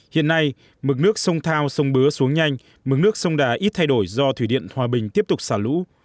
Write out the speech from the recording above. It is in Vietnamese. hiện nay mực nước sông thao sông bứa xuống nhanh mức nước sông đà ít thay đổi do thủy điện hòa bình tiếp tục xả lũ